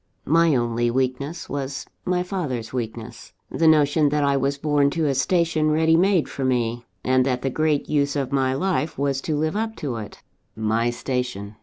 "My only weakness was my father's weakness the notion that I was born to a station ready made for me, and that the great use of my life was to live up to it. My station!